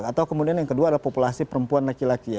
atau kemudian yang kedua ada populasi perempuan laki laki ya